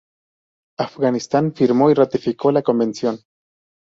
Afganistán, firmó y ratificó la convención.